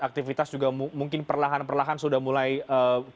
aktivitas juga mungkin perlahan perlahan sudah mulai kembali ke normal